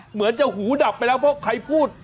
เหมือนจะหูดับไปแล้วเพราะใครพูด